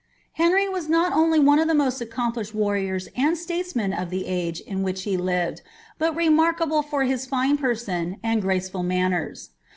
Henrv was not only one of the most accom[di8hed warriors and statesmen of the age in which he hved, but remarlutble for his fine person and graceful manners.